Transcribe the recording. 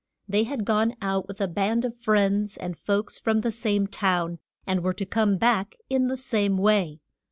They had gone out with a band of friends and folks from the same town, and were to come back in the same way.